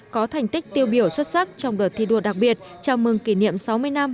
có thành tích tiêu biểu xuất sắc trong đợt thi đua đặc biệt chào mừng kỷ niệm sáu mươi năm